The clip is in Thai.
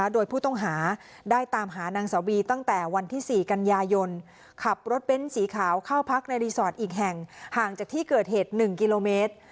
โดยผู้ต้องหาได้ตามหานางสาวบีตั้งแต่วันที่๔กันยายนขับรถเบ้นสีขาวเข้าพักในรีสอร์ทอีกแห่งห่างจากที่เกิดเหตุ๑กิโลเมตร